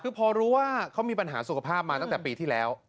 คือพอรู้ว่าเขามีปัญหาสุขภาพมาตั้งแต่ปีที่แล้ว